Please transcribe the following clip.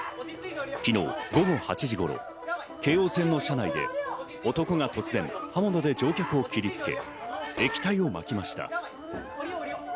昨日午後８時頃、京王線の車内で男が突然、刃物で乗客を切りつけ、液体を撒きました。